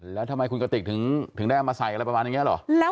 แล้วทำไมคุณกติกถึงได้เอามาใส่อะไรประมาณอย่างนี้เหรอ